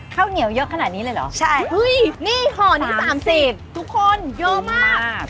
ข้าวเหนียวเยอะขนาดนี้เลยเหรอใช่เฮ้ยนี่ห่อนี้๓๐ทุกคนเยอะมาก